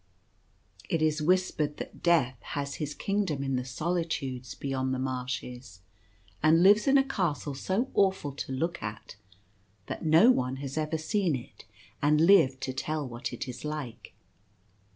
It is whispered that Death has his kingdom in the Solitudes beyond the marshes, and lives in a castle so awful to look at that no one has ever seen it and lived to tell what it is like.